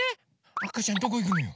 あかちゃんどこいくのよ？